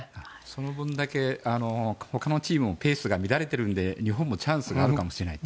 その分だけ他のチームもペースが乱れてるので日本もチャンスがあるかもしれない。